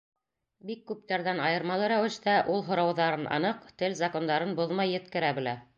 Бик күптәрҙән айырмалы рәүештә, ул һорауҙарын аныҡ, тел закондарын боҙмай еткерә белә.